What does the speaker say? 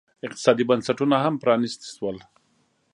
اقتصادي بنسټونه هم پرانیستي شول.